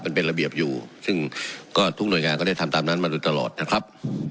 มันเป็นระเบียบอยู่ซึ่งก็ทุกหน่วยงานก็ได้ทำตามนั้นมาโดยตลอดนะครับ